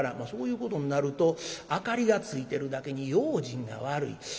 そういうことになると明かりがついてるだけに用心が悪い。